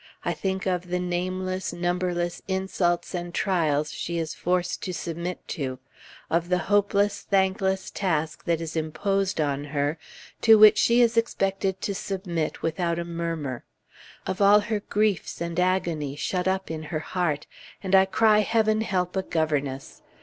I think of the nameless, numberless insults and trials she is forced to submit to; of the hopeless, thankless task that is imposed on her, to which she is expected to submit without a murmur; of all her griefs and agony shut up in her heart, and I cry Heaven help a governess.